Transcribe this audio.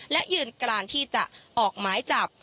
และยืนการที่จะออกหมายจับ